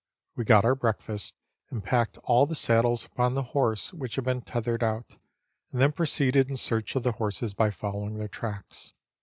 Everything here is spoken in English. We got our breakfast, and packed all the saddles upon the horse which had been tethered out, and then proceeded in search of the horses by following their tracks.